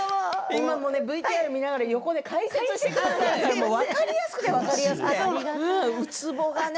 今もＶＴＲを見ながら横で解説をしてくださるので分かりやすくて、分かりやすくて。